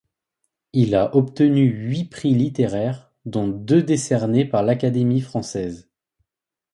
Il a obtenu huit prix littéraires dont deux décernés par l’Académie française.